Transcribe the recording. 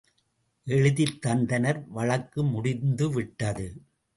எழுதித் தந்தனர் வழக்கு முடிந்துவிட்டது.